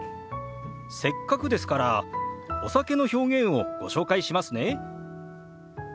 せっかくですからお酒の表現をご紹介しますね。